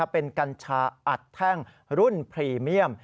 เป็นกัญชาอัดแท่งรุ่นพรีเมียม